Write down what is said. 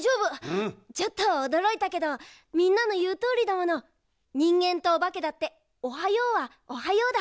ちょっとおどろいたけどみんなのいうとおりだもの。にんげんとおばけだって「おはよう」は「おはよう」だ。